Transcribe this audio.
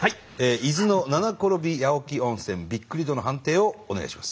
伊豆の七転び八起き温泉びっくり度の判定をお願いします。